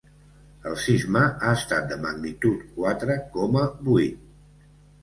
El sisme ha estat de magnitud quatre coma vuit.